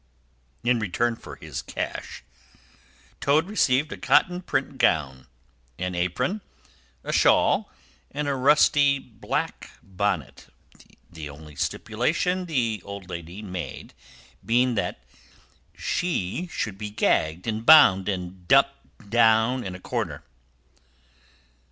In return for his cash, Toad received a cotton print gown, an apron, a shawl, and a rusty black bonnet; the only stipulation the old lady made being that she should be gagged and bound and dumped down in a corner.